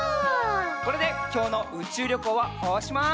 これできょうのうちゅうりょこうはおしまい！